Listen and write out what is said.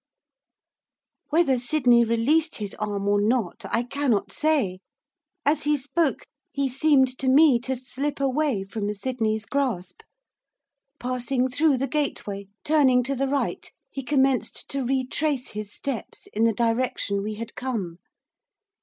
Whether Sydney released his arm or not I cannot say. As he spoke, he seemed to me to slip away from Sydney's grasp. Passing through the gateway, turning to the right, he commenced to retrace his steps in the direction we had come.